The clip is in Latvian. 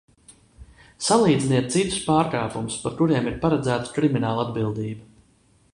Salīdziniet citus pārkāpumus, par kuriem ir paredzēta kriminālatbildība!